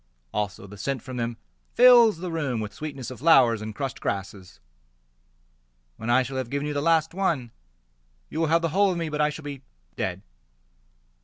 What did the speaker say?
Also the scent from them fills the room With sweetness of flowers and crushed grasses. When I shall have given you the last one, You will have the whole of me, But I shall be dead.